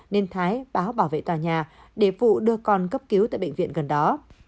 nên thái báo bảo vệ tòa nhà để vụ đưa con cấp cứu tại bệnh viện gần đó